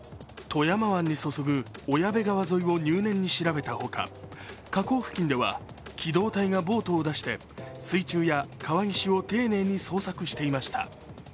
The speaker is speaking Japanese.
富山湾に注ぐ小矢部川沿いを入念に調べたほか、河口付近では機動隊がボートを出して水中や川岸を丁寧に捜索していました。